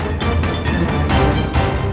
aku akan mencari makanan yang lebih enak